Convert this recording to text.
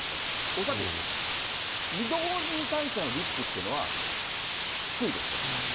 恐らく移動に対してのリスクっていうのは、低いですと。